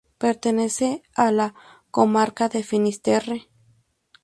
Pertenece a la comarca de Finisterre.